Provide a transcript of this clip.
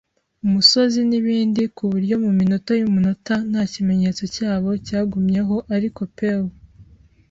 umusozi, nibindi, kuburyo muminota yumunota nta kimenyetso cyabyo cyagumyeho ariko Pew.